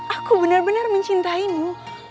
aku benar benar mencintaimu